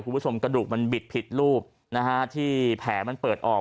คุณผู้ชมกระดูกมันบิดผิดรูปนะฮะที่แผลมันเปิดออก